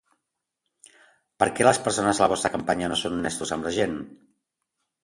Per què les persones de la vostra campanya no són honestos amb la gent?